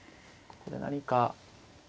ここで何か。